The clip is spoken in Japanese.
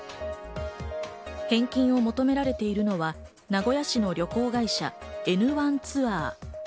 返金を求められているのは名古屋市の旅行会社・エヌワンツワー。